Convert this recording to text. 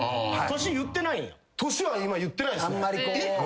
年は今言ってないっすね。